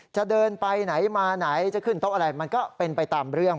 จะเดินไปไหนมาไหนจะขึ้นโต๊ะอะไรมันก็เป็นไปตามเรื่อง